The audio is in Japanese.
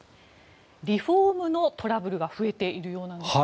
リフォームのトラブルが増えているようなんですね。